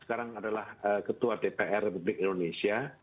sekarang adalah ketua dpr republik indonesia